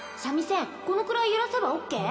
先このくらい揺らせばＯＫ？